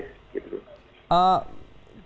kekerasan tarif jurnalis